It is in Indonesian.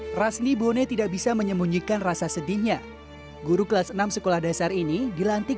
hai rasni bone tidak bisa menyembunyikan rasa sedihnya guru kelas enam sekolah dasar ini dilantik